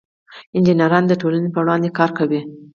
انجینران د ټولنې په وړاندې کار کوي.